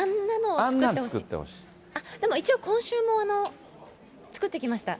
でも一応、今週も作ってきました。